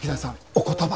お言葉。